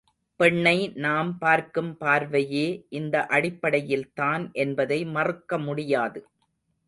பெண்ணை நாம் பார்க்கும் பார்வையே இந்த அடிப்படையில்தான் என்பதை மறுக்க முடியாது.